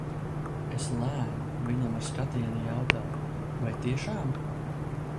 Es lēni viņam ar skatienu jautāju – vai tiešām?